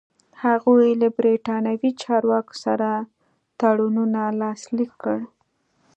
هغوی له برېټانوي چارواکو سره تړونونه لاسلیک کړل.